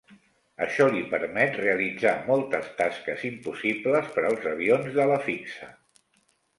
Això li permet realitzar moltes tasques impossibles per als avions d'ala fixa.